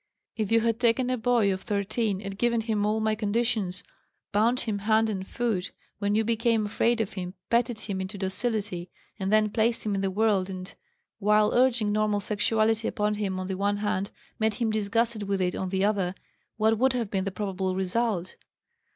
If you had taken a boy of 13 and given him all my conditions, bound him hand and foot, when you became afraid of him petted him into docility, and then placed him in the world and, while urging normal sexuality upon him on the one hand, made him disgusted with it on the other, what would have been the probable result?